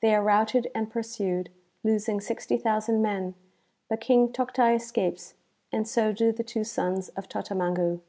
They are routed and pur sued, losing 60,000 men, Imt King Toctai escapes, and so do the two sons of Totamangu.)